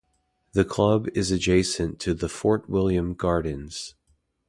The club is adjacent to the Fort William Gardens.